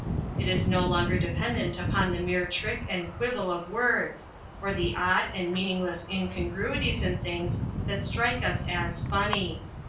It is no longer dependent upon the mere trick and quibble of words, or the odd and meaningless incongruities in things that strike us as "funny."